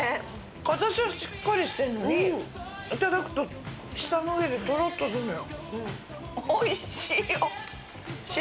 形はしっかりしてんのにいただくと舌の上でトロッとすんのよ。